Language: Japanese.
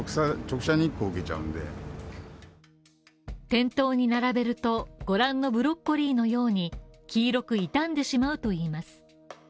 店頭に並べると、ご覧のブロッコリーのように黄色く傷んでしまうといいます。